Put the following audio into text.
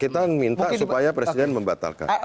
kita minta supaya presiden membatalkan